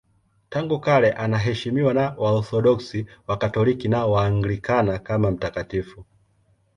Tangu kale anaheshimiwa na Waorthodoksi, Wakatoliki na Waanglikana kama mtakatifu.